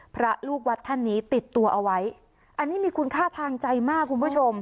พระลูกวัดท่านนี้ติดตัวเอาไว้อันนี้มีคุณค่าทางใจมากคุณผู้ชม